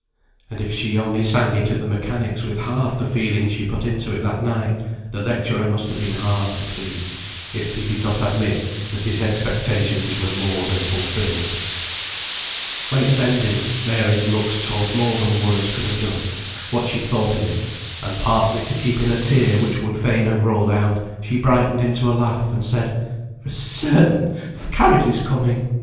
And if she only sang it at the Mechanics' with half the feeling she put into it that night, the lecturer must have been hard to please, if he did not admit that his expectations were more than fulfilled. [Footnote 27: "Reet," right; often used for "very."] When it was ended, Mary's looks told more than words could have done what she thought of it; and partly to keep in a tear which would fain have rolled out, she brightened into a laugh, and said, "For certain, th' carriage is coming.